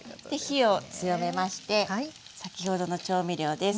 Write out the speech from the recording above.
火を強めまして先ほどの調味料です。